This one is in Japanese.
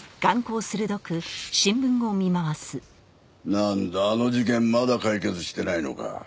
なんだあの事件まだ解決してないのか。